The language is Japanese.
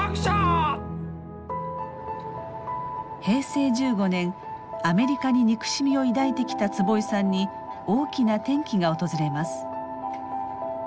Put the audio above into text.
平成１５年アメリカに憎しみを抱いてきた坪井さんに大きな転機が訪れます。